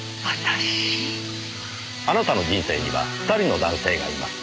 あなたの人生には２人の男性がいます。